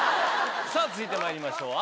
さぁ続いてまいりましょう！